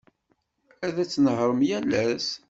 Ad tnehhṛem yal ass.